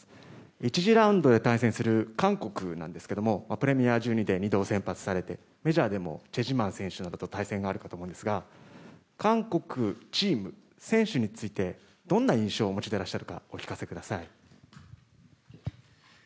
１次ラウンドで対戦する韓国なんですけどプレミア１２で２度先発されてメジャーでも対戦があったかと思うんですが韓国チーム、選手についてどんな印象をお持ちであるかお聞かせください。